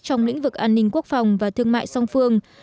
trong lĩnh vực an ninh quốc phòng và thương mại song phương